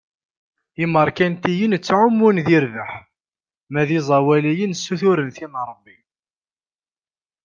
Imerkantiyen ttɛumun di rrbeḥ, ma d iẓawaliyen suturen tin n Ṛebbi.